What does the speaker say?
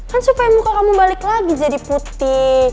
kan supaya muka kamu balik lagi jadi putih